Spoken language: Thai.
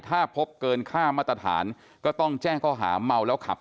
ถ้าพบเกินค่ามาตรฐานก็ต้องแจ้งข้อหาเมาแล้วขับ